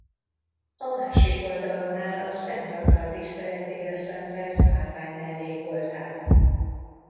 A másik oldalon áll a Szent Antal tiszteletére szentelt márvány mellékoltár.